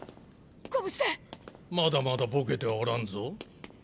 ご無事で⁉まだまだボケてはおらんぞ。